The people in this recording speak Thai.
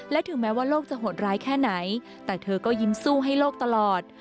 และถึงแม้ว่าโลกจะโหดร้ายแค่ไหนแต่เธอก็ยิ้มสู้ให้โลกตลอด